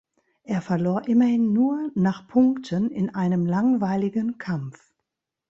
Er verlor immerhin nur nach Punkten in einem langweiligen Kampf.